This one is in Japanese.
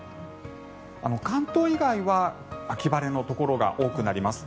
関東以外は秋晴れのところが多くなります。